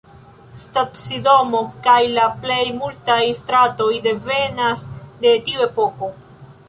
Stacidomo kaj la plej multaj stratoj devenas de tiu epoko.